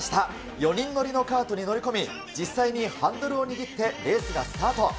４人乗りのカートに乗り込み、実際にハンドルを握って、レースがスタート。